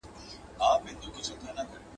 • کټو په درې چلي ماتېږي.